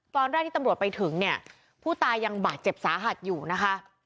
ตอนแรกที่ตำรวจไปถึงเนี่ยผู้ตายยังบาดเจ็บสาหัสอยู่นะคะ